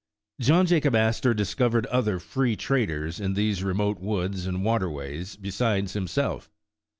John Jacob Astor discovered other "free traders" in these remote woods and water ways besides himself.